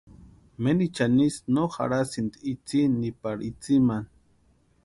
Menichani ísï no jarhasïnti itsï ni pari itsïmani.